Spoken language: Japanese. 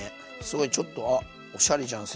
すごいちょっと「あおしゃれじゃん」